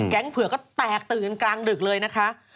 เผือกก็แตกตื่นกลางดึกเลยนะคะ